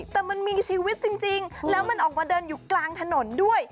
แต่มันมีชีวิตจริงแล้วมันออกมาเดินอยู่กลางถนนด้วย